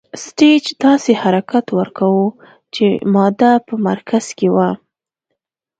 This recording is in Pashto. سټیج داسې حرکت ورکوو چې ماده په مرکز کې وي.